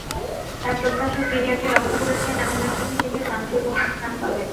তাঁর প্রত্যাশা, সিরিয়াকে রক্ষা করেছেন এমন একজন হিসেবেই মানুষের মনে স্থান পাবেন।